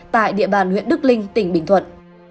tại địa bàn huyện đức linh tỉnh bình thuận